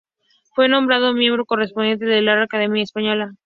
Fue nombrado miembro correspondiente de la Real Academia Española.